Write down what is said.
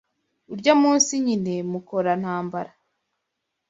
Urya munsi nyine Mukora-ntambara